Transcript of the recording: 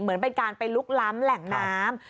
เหมือนเป็นการไปลุกล้ำแหล่งน้ำ